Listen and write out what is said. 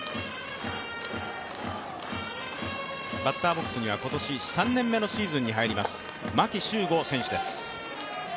バッターボックスには今年３年目のシーズンに入ります牧秀悟選手です。